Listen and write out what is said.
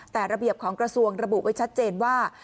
แต่ระเบียบของกระทรวงระบุไว้ชัดเจนว่า